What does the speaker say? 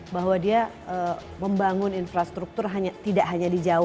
bahwa dia membangun infrastruktur tidak hanya di jawa